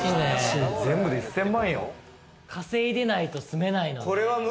稼いでないと住めない。